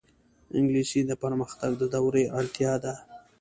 انګلیسي د پرمختګ د دورې اړتیا ده